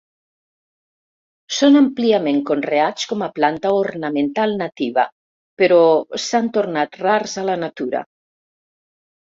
Són àmpliament conreats com a planta ornamental nativa, però s'han tornat rars a la natura.